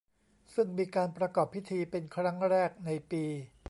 ซึ่งมีการประกอบพิธีเป็นครั้งแรกในปี